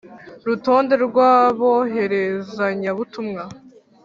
Rutonde rw aboherezanyabutumwa